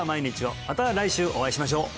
また来週お会いしましょう！